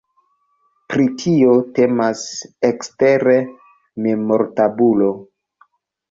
Pri tio temas ekstere memortabulo.